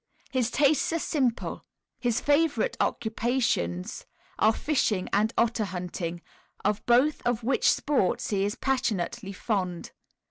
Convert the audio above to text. His tastes are simple. His favourite occupations are fishing and otter hunting, of both of which sports he is passionately fond.